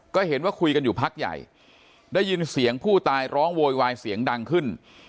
ก็เห็นว่าคุยกันอยู่พักใหญ่ได้ยินเสียงผู้ตายร้องโวยวายเสียงดังขึ้น